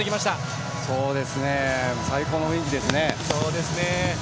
最高の雰囲気ですね。